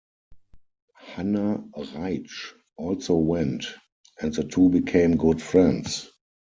Hanna Reitsch also went, and the two became good friends.